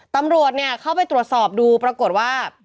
ตำรวจเข้าไปตรวจสอบดูปรากฏว่า